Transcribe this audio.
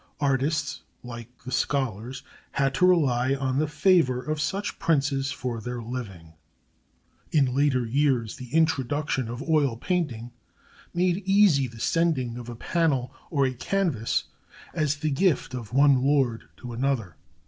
Artists, like the scholars, had to rely on the favor of such princes for their living. In later years the introduction of oil painting made easy the sending of a panel or a canvas as the gift of one lord to another.